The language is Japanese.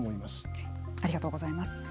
ありがとうございます。